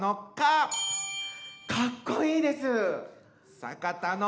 かっこいいです。